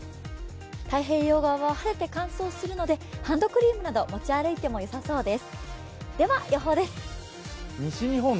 太平洋側は晴れて乾燥するのでハンドクリームなど持ち歩いてもよさそうです。